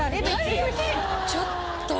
ちょっと。